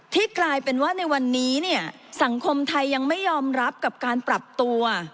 กลายเป็นว่าในวันนี้เนี่ยสังคมไทยยังไม่ยอมรับกับการปรับตัว